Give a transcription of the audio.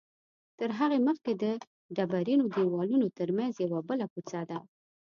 تر هغې مخکې د ډبرینو دیوالونو تر منځ یوه بله کوڅه ده.